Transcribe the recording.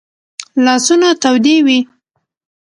لاسونه تودې وي